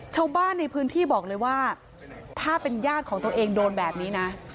ชาวบ้านในพื้นที่บอกเลยว่าถ้าเป็นญาติของตัวเองโดนแบบนี้นะ